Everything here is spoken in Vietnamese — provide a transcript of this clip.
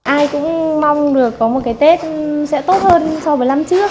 ai cũng mong được có một cái tết sẽ tốt hơn so với năm trước